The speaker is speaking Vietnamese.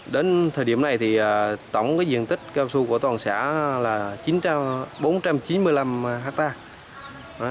đến thời điểm này thì tổng cái diện tích cao su của toàn xã là bốn trăm chín mươi năm hectare